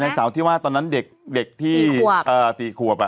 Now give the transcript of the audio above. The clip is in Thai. ย่ายเสาที่ว่าตอนนั้นเด็กที่ลีขวบ